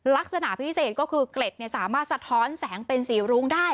ลักษณะพิเศษก็คือเกล็ดสามารถสะท้อนแสงเป็นสีรุ้งได้